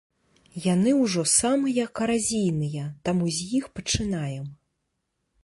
Яны ўжо самыя каразійныя, таму з іх пачынаем.